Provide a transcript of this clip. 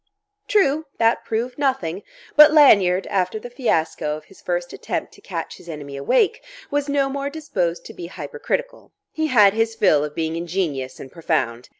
True, that proved nothing; but Lanyard, after the fiasco of his first attempt to catch his enemy awake, was no more disposed to be hypercritical; he had his fill of being ingenious and profound.